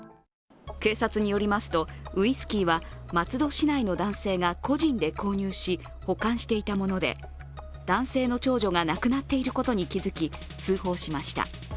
警察によりますと、ウイスキーは松戸市内の男性が個人で購入し、保管していたもので男性の長女がなくなっていることに気づき通報しました。